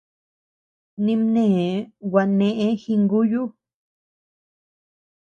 Nimnéʼë gua néʼe jinguyu.